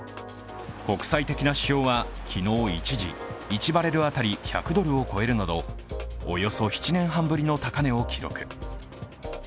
国際的な指標は昨日、一時、１バレル当たり１００ドルを超えるなどおよそ７年半ぶりの高値を記録。